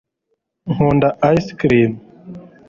nkunda ice cream